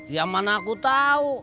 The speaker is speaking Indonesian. ya mana aku tau